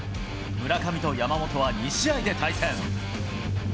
村上と山本は２試合で対戦。